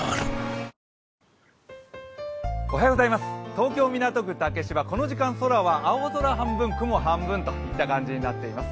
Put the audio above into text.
東京・港区竹芝、この時間空は青空半分、雲半分といった感じになっています。